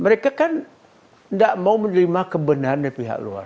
mereka kan tidak mau menerima kebenaran dari pihak luar